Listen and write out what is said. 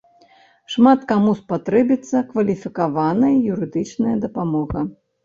Шмат каму спатрэбіцца кваліфікаваная юрыдычная дапамога.